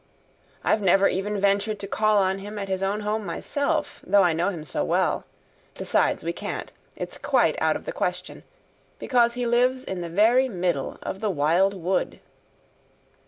I've never even ventured to call on him at his own home myself, though I know him so well. Besides, we can't. It's quite out of the question, because he lives in the very middle of the Wild Wood."